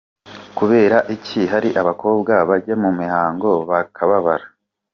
com: Kubera iki hari abakobwa bajya mu mihango bakababara?.